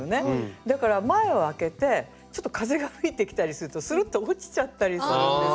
だから前をあけてちょっと風が吹いてきたりするとスルッと落ちちゃったりするんですよ。